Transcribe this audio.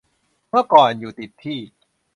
เมื่อก่อนอยู่ติดที่